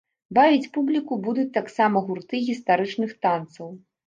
Бавіць публіку будуць таксама гурты гістарычных танцаў.